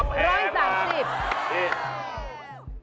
ขอให้อัพแฮมค่ะ